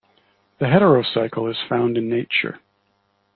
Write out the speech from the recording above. The heterocycle is found in nature.